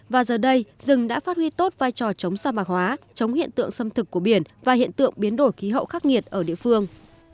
và giờ đây rừng đã phát huy tốt vai trò chống sa mạc hóa chống hiện tượng xâm thực của biển và hiện tượng biến đổi khí hậu khắc nghiệt ở địa phương